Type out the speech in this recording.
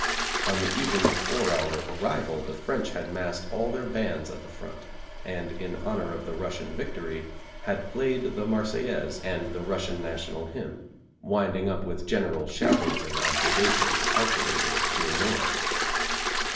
On the evening before our arrival the French had massed all their bands at the front, and, in honour of the Russian victory, had played the Marseillaise and the Russian National hymn, winding up with general shoutings and objurgations calculated to annoy.